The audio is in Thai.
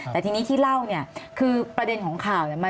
แต่ทีนี้ที่เล่าคือประเด็นของข่าว